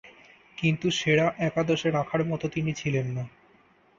কিন্তু, সেরা একাদশে রাখার মতো তিনি ছিলেন না।